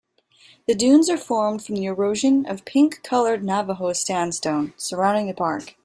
The Dunes are formed from the erosion of pink-colored Navajo Sandstone surrounding the park.